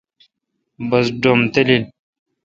بس ڈوم تلیل ۔